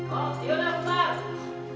oh ya udah nanti